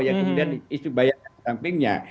yang kemudian isu bayaran di sampingnya